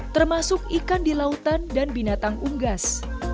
termasuk ikan di lautan dan binatang unggas